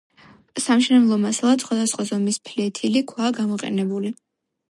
სამშენებლო მასალად სხვადასხვა ზომის ფლეთილი ქვაა გამოყენებული.